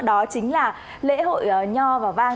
đó chính là lễ hội nho vào vang